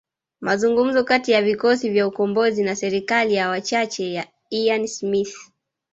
Mazungumzo kati ya vikosi vya ukombozi na serikali ya wachache ya Ian Smith